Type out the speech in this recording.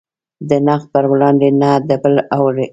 د نقد پر وړاندې نه د بل اوري.